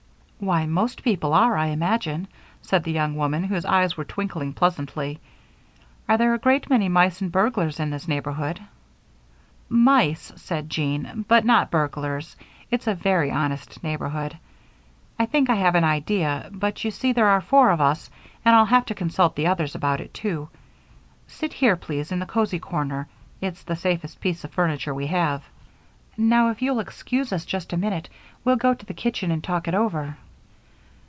"Why, most persons are, I imagine," said the young woman, whose eyes were twinkling pleasantly. "Are there a great many mice and burglars in this neighborhood?" "Mice," said Jean, "but not burglars. It's a very honest neighborhood. I think I have an idea, but you see there are four of us and I'll have to consult the others about it, too. Sit here, please, in the cozy corner it's the safest piece of furniture we have. Now if you'll excuse us just a minute we'll go to the kitchen and talk it over."